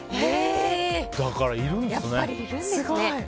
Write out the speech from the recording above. だから、いるんですね。